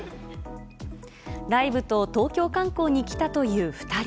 ライブと東京観光に来たという２人。